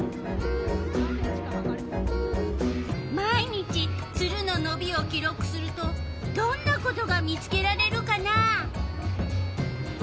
毎日ツルののびを記録するとどんなことが見つけられるかな。